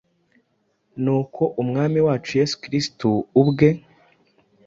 Nuko, Umwami wacu Yesu Kristo ubwe,